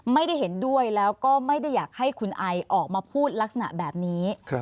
ไม่ได้เห็นด้วยแล้วก็ไม่ได้อยากให้คุณไอออกมาพูดลักษณะแบบนี้